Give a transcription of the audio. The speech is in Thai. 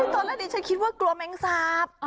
ตอนแรกดิฉันคิดว่ากลัวแมงสาบ